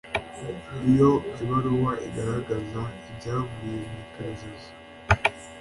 Iyo ibaruwa igaragaza ibyavuye mu iperereza